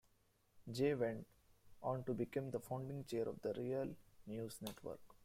Jay went on to become the founding chair of The Real News Network.